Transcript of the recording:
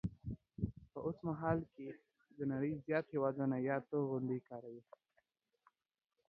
په اوسمهال کې د نړۍ زیات هیوادونه یاد توغندي کاروي